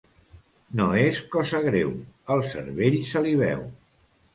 No és cosa greu, el cervell se li veu.